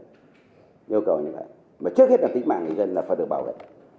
yêu cầu như vậy mà trước hết là tính mạng người dân là phải được bảo vệ